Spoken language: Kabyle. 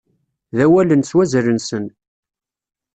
D awalen s wazal-nsen.